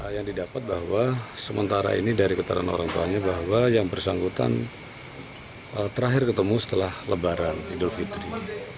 yang didapat bahwa sementara ini dari keterangan orang tuanya bahwa yang bersangkutan terakhir ketemu setelah lebaran idul fitri